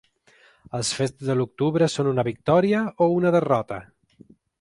Els fets de l’octubre són una victòria o una derrota?